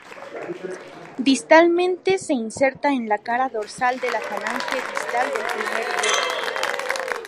Distalmente se inserta en la cara dorsal de la falange distal del primer dedo.